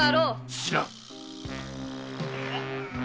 知らん！